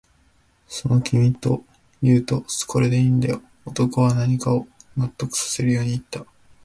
その、と君が言うと、これでいいんだよ、と男は何かを納得させるように言った